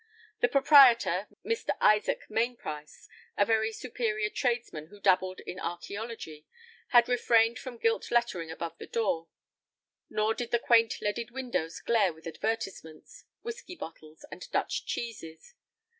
The proprietor, Mr. Isaac Mainprice, a very superior tradesman who dabbled in archæology, had refrained from gilt lettering above the door; nor did the quaint leaded windows glare with advertisements, whiskey bottles, and Dutch cheeses.